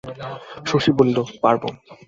শশী বলিল, পারব।